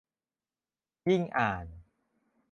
ยิ่งอ่าน